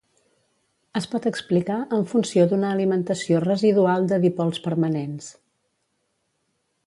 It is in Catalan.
Es pot explicar en funció d'una alimentació residual de dipols permanents.